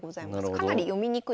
かなり読みにくいです。